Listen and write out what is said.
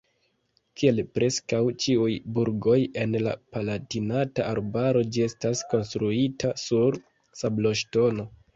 Kiel preskaŭ ĉiuj burgoj en la Palatinata Arbaro ĝi estas konstruita sur sabloŝtono.